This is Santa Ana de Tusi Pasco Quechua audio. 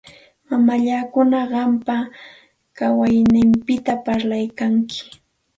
Mamallakuna qampa kawayniykipita parlaykanku.